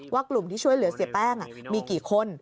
กลุ่มที่ช่วยเหลือเสียแป้งมีกี่คน